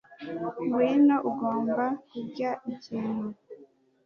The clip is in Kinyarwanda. Ngwino, ugomba kurya ikintu,